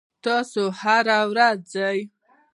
تاسو هره ورځ ځئ؟